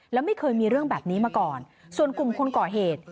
แล้วไม่เคยมีเรื่องแบบนี้มาก่อนส่วนกลุ่มคนก่อเหตุ